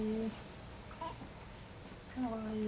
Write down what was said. かわいい。